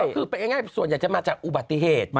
ก็คือไปง่ายส่วนใหญ่จะมาจากอุบัติเหตุ